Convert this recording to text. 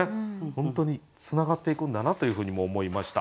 本当につながっていくんだなというふうにも思いました。